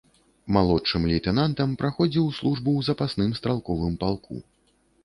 Малодшым лейтэнантам праходзіў службу ў запасным стралковым палку.